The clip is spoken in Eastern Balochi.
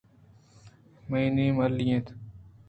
منی نام الی اِنت۔